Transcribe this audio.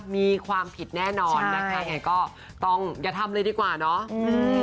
มีความผิดแน่นอนนะคะอย่าทำเลยดีกว่าเนอะ